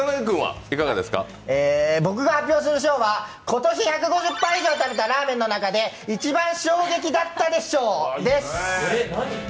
僕が発表する賞は今年１５０杯以上食べたラーメンの中で一番衝撃だったで賞です。